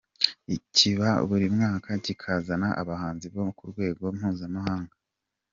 Kiba buri mwaka kikazana abahanzi bo ku rwego mpuzamahanga.